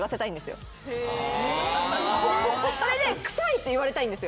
それで臭いって言われたいんですよ。